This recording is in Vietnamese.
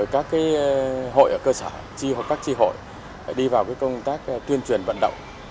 các hội ở cơ sở các tri hội đi vào công tác tuyên truyền vận động